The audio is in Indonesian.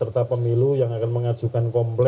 beserta pemilu yang akan mengajukan kompetensi